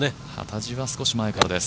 幡地は少し前からです。